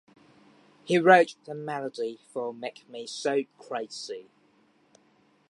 He wrote the melody for "Make Me So Crazy".